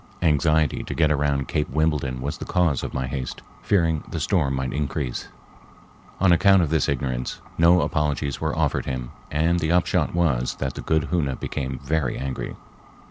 Anxiety to get around Cape Wimbledon was the cause of my haste, fearing the storm might increase. On account of this ignorance, no apologies were offered him, and the upshot was that the good Hoona became very angry.